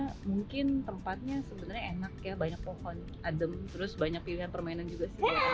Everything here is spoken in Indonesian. seru sih tempatnya sebenarnya enak banyak pohon adem dan banyak pilihan permainan juga